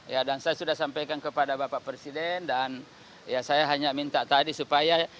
ya dan saya sudah sampaikan kepada bapak presiden dan ya saya hanya minta tadi supaya